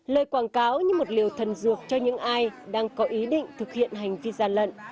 lời quảng cáo như một liều thần dược cho những ai đang có ý định thực hiện hành vi gian lận